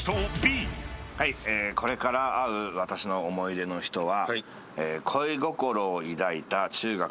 これから会う私の思い出の人は。